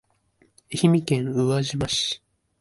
愛媛県宇和島市